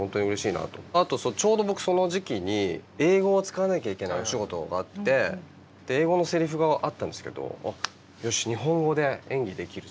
あとちょうど僕その時期に英語を使わなきゃいけないお仕事があって英語のセリフがあったんですけど「あっよし日本語で演技できるぞ」と。